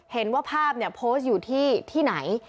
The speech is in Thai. เห็นว่าภาพโพสต์อยู่ที่ไหน